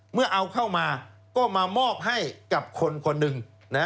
เมื่อเอาเข้ามาก็มามอบให้กับคนคนหนึ่ง